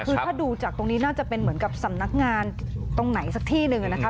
คือถ้าดูจากตรงนี้น่าจะเป็นเหมือนกับสำนักงานตรงไหนสักที่หนึ่งนะคะ